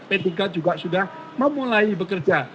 p tiga juga sudah memulai bekerja